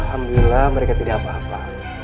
alhamdulillah mereka tidak apa apa